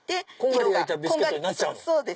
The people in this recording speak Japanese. こんがり焼いたビスケットになっちゃう。